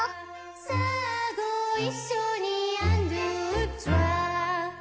「さぁごいっしょにアン・ドゥ・トロワ！」